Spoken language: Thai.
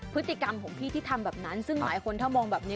พฤติกรรมของพี่ที่ทำแบบนั้นซึ่งหลายคนถ้ามองแบบนี้